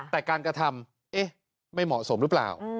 แต่การกระทำไม่เหมาะสมหรือเปล่า